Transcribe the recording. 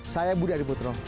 saya budi adiputro